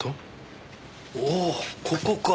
おおここか。